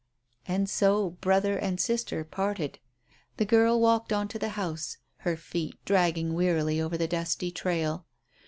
And so brother and sister parted. The girl walked on to the house, her feet dragging wearily over the dusty trail.